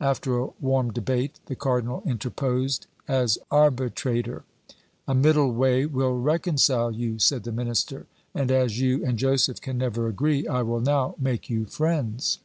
After a warm debate, the cardinal interposed as arbitrator: "A middle way will reconcile you," said the minister, "and as you and Joseph can never agree, I will now make you friends."